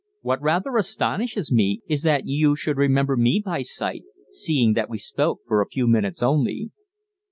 What rather astonishes me is that you should remember me by sight, seeing that we spoke for a few minutes only."